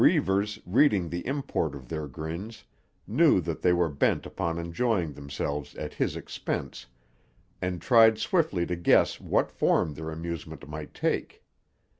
Reivers, reading the import of their grins, knew that they were bent upon enjoying themselves at his expense, and tried swiftly to guess what form their amusement might take.